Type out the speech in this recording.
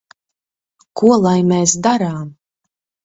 Ko lai mēs darām?